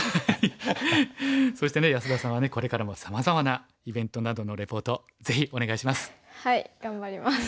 そしてね安田さんはこれからもさまざまなイベントなどのレポートぜひお願いします。